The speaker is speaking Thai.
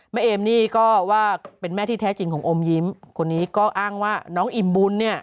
เอมนี่ก็ว่าเป็นแม่ที่แท้จริงของอมยิ้มคนนี้ก็อ้างว่าน้องอิ่มบุญเนี่ย